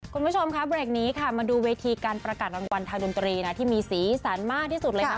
คุณผู้ชมค่ะเบรกนี้ค่ะมาดูเวทีการประกาศรางวัลทางดนตรีนะที่มีสีสันมากที่สุดเลยนะ